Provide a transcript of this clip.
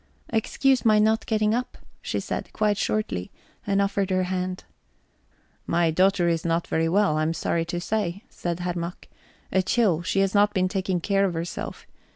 "Excuse my not getting up," she said, quite shortly, and offered her hand. "My daughter is not very well, I'm sorry to say," said Herr Mack. "A chill she has not been taking care of herself...